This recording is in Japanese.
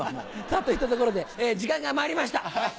さぁといったところで時間がまいりました。